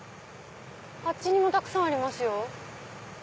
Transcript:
あっちにもたくさんありますよ。